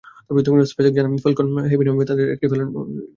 SpaceX জানায়, Falcon Heavy নামের রকেটটি ফ্যালকন নাইনের চেয়েও সাশ্রয়ী হবে।